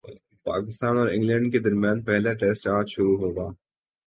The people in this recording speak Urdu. پاکستان اور انگلینڈ کے درمیان پہلا ٹیسٹ اج شروع ہوگا